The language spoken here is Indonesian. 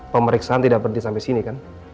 pemeriksaan tidak berhenti sampai sini kan